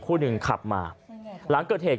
คู่หนึ่งขับมาหลังเกิดเหตุ